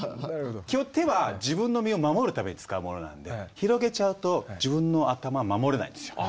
基本手は自分の身を守るために使うものなんで広げちゃうと自分の頭守れないんですよ。